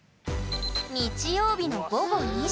日曜日の午後２時。